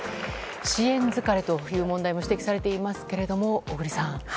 支援疲れの問題も指摘されていますが小栗さん。